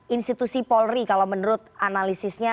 institusi polri kalau menurut analisisnya